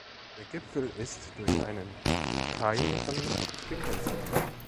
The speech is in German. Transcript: Der Gipfel ist durch einen Cairn gekennzeichnet.